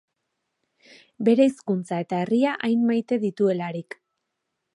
Bere hizkuntza eta herria hain maite dituelarik.